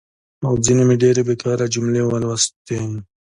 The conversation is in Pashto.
او ځینې مې ډېرې بېکاره جملې ولوستي.